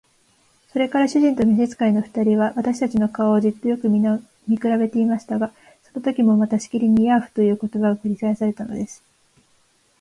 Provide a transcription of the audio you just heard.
それから主人と召使の二人は、私たちの顔をじっとよく見くらべていましたが、そのときもまたしきりに「ヤーフ」という言葉が繰り返されたのです。